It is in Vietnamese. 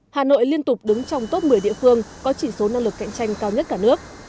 hà nội liên tục đứng trong top một mươi địa phương có chỉ số năng lực cạnh tranh cao nhất cả nước